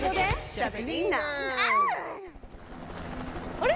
あれ？